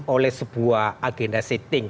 oleh sebuah agenda sitting